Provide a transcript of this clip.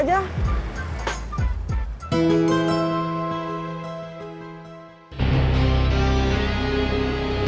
tapi kadang kadang merasa dekat